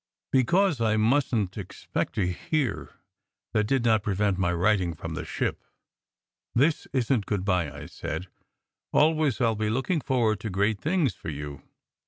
Because I mustn t expect to hear, that did not prevent my writing from the ship. "This isn t good bye, " I said. "Always I ll be looking forward to great things for you.